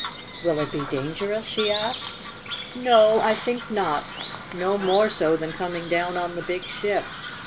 "Will it be dangerous?" she asked. "No, I think not. No more so than coming down on the big ship.